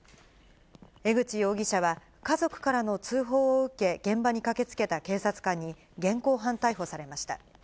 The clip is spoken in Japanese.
江口容疑者は、家族からの通報を受け、現場に駆けつけた警察官に現行犯逮捕されました。